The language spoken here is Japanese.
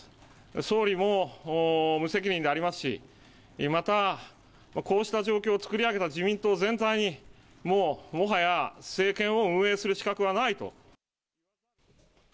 総理も無責任でありますし、また、こうした状況を作り上げた自民党全体に、もうもはや、政権を運営する資格はないと。